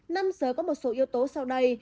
năm giờ có một số yếu tố sau đây